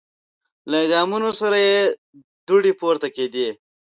له ګامونو سره یې دوړې پورته کیدې.